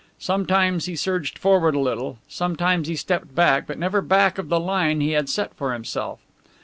Sometimes he surged forward a little, sometimes he stepped back, but never back of the line he had set for himself.